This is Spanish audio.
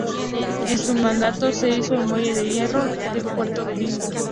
En su mandato se hizo el muelle de hierro del Puerto de Vigo.